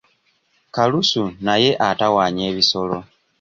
Kalusu naye atawaanya ebisolo.